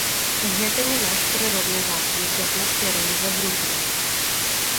Гэта не наш прыродны газ, які атмасферу не забруджвае.